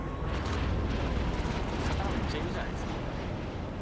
魚めっちゃいるじゃないですか。